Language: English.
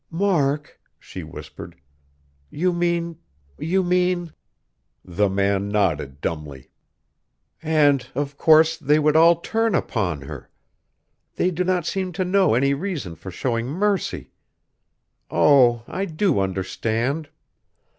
"Mark!" she whispered, "you mean you mean?" The man nodded dumbly. "And, of course, they would all turn upon her! They do not seem to know any reason for showing mercy. Oh! I do understand."